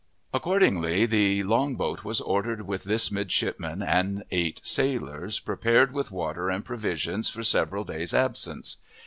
Accordingly, the long boat was ordered with this midshipman and eight sailors, prepared with water and provisions for several days absence.